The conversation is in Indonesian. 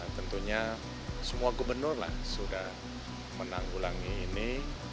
tentunya semua gubernur lah sudah menanggulangi ini